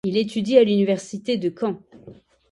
Il étudie à l'université de Caen.